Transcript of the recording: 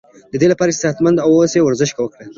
ددی لپاره چی صحت مند و اوسی ورزش وکړه